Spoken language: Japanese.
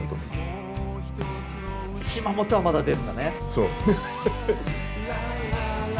そう。